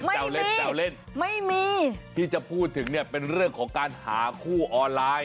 แย่ล่ะที่จะพูดถึงเนี่ยเป็นเรื่องของการหาคู่ออนไลน์